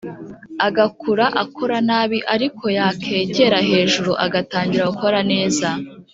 Agakura akora nabi ariko yakegera hejuru agatangira gukora neza